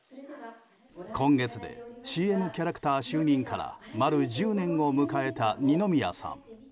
今月でＣＭキャラクター就任から丸１０年を迎えた、二宮さん。